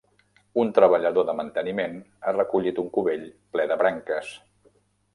Un treballador de manteniment ha recollit un cubell ple de branques.